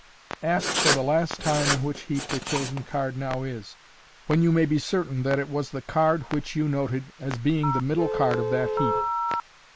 Ask, for the last time, in which heap the chosen card now is, when you may be certain that it was the card which you noted as being the middle card of that heap.